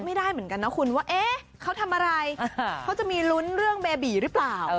ไม่ได้เหมือนกันนะคุณว่าเอ๊ะเขาทำอะไรเขาจะมีลุ้นเรื่องเบบีหรือเปล่า